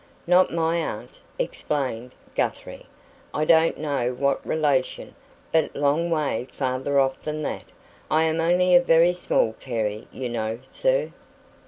"Not my aunt," explained Guthrie. "I don't know what relation, but a long way farther off than that. I am only a very small Carey, you know, sir."